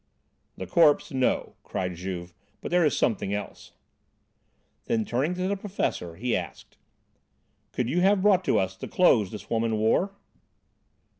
"The corpse, no," cried Juve, "but there is something else." Then, turning to the professor, he asked: "Could you have brought to us the clothes this woman wore?"